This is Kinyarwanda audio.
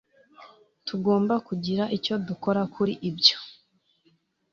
Tugomba kugira icyo dukora kuri ibyo